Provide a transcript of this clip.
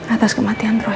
atas kematian roy